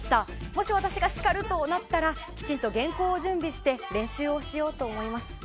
もし私が叱るとなったら原稿を準備して練習しようと思います。